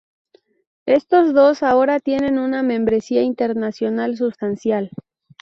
Estos dos ahora tienen una membresía internacional sustancial.